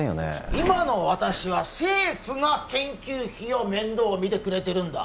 今の私は政府が研究費を面倒見てくれてるんだ